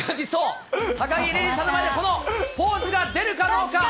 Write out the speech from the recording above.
高城れにさんの前でこのポーズが出るかどうか？